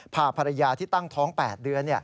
พาภรรยาที่ตั้งท้อง๘เดือน